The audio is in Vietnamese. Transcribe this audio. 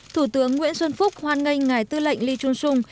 thủ tướng nguyễn xuân phúc hoan nghênh ngài tư lệnh lee chung sung